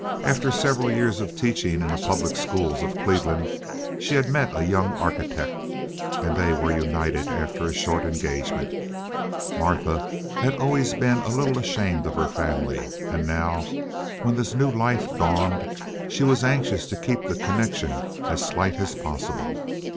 After several years of teaching in the public schools of Cleveland she had met a young architect, and they were united after a short engagement. Martha had been always a little ashamed of her family, and now, when this new life dawned, she was anxious to keep the connection as slight as possible.